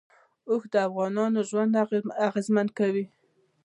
اوښ د افغانانو ژوند اغېزمن کوي.